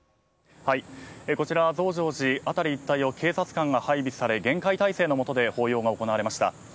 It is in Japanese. こちら、増上寺辺り一帯は警察官が配備され厳戒態勢の下で法要が行われました。